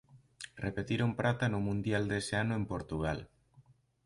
Repetiron prata no Mundial dese ano en Portugal.